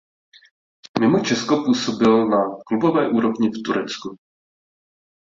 Mimo Česko působil na klubové úrovni v Turecku.